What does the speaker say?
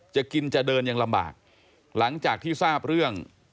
จะกินจะเดินยังลำบากหลังจากที่ทราบเรื่อง